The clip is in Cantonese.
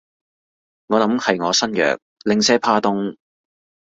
我諗係我身弱，零舍怕凍